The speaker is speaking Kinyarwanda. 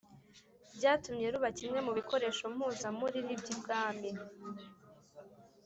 Byatumye ruba kimwe mu bikoresho mpuzamuriri by’ibwami.